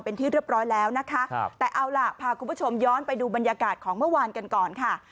เป็นที่เรียบร้อยแล้วนะคะครับแต่เอาล่ะพาคุณผู้ชมย้อนไปดูบรรยากาศของเมื่อวานกันก่อนค่ะ